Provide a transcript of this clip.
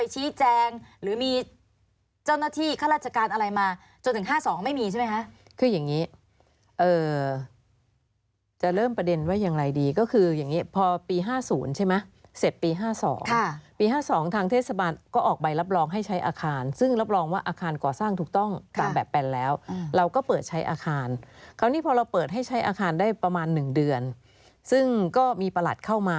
ชี้แจงหรือมีเจ้าหน้าที่ข้าราชการอะไรมาจนถึง๕๒ไม่มีใช่ไหมคะคืออย่างนี้จะเริ่มประเด็นว่าอย่างไรดีก็คืออย่างนี้พอปี๕๐ใช่ไหมเสร็จปี๕๒ปี๕๒ทางเทศบาลก็ออกใบรับรองให้ใช้อาคารซึ่งรับรองว่าอาคารก่อสร้างถูกต้องตามแบบแปลนแล้วเราก็เปิดใช้อาคารคราวนี้พอเราเปิดให้ใช้อาคารได้ประมาณ๑เดือนซึ่งก็มีประหลัดเข้ามา